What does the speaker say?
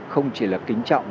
không chỉ là kính trọng